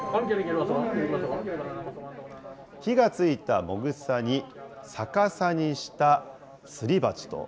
火がついたもぐさに、逆さにしたすり鉢と。